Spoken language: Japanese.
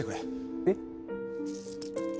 えっ？